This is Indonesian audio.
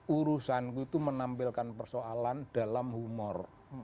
urusanku itu menampilkan persoalan dalam humor